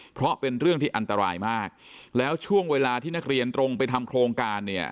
เพราะเป็นเรื่องที่อันตรายมากแล้วช่วงเวลาที่นักเรียนตรงไปทำโครงการเนี่ย